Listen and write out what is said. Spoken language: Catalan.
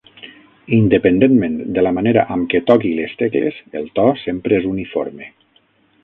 Independentment de la manera amb què toqui les tecles, el to sempre és uniforme.